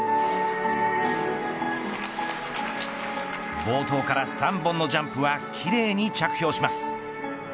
冒頭から３本のジャンプは奇麗に着氷します。